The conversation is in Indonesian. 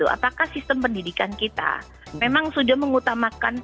apakah sistem pendidikan kita memang sudah mengutamakan pada perkembangan zaman